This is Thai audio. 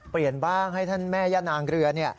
เปลี่ยนบ้างให้ท่านแม่ย่านางเรือ